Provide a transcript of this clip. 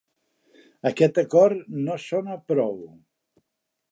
Aquest acord no sona prou.